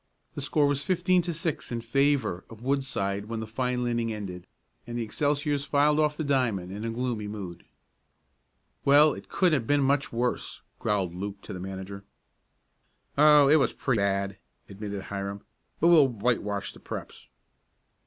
The score was fifteen to six in favor of Woodside when the final inning ended, and the Excelsiors filed off the diamond in gloomy mood. "Well, it couldn't have been much worse," growled Luke to the manager. "Oh, it was pretty bad," admitted Hiram, "but we'll whitewash the Preps."